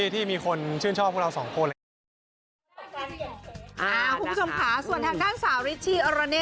ที่มีคนชื่นชอบพวกเราสองคน